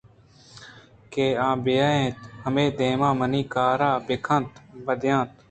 کہ آ بیا اَنتءُ ہمے دمانءَمنی کارءَ بِہ کنتءُ بہ دئینت